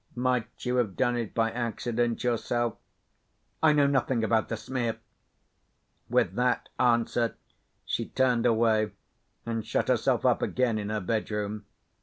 Might you have done it by accident yourself?" "I know nothing about the smear." With that answer, she turned away, and shut herself up again in her bedroom.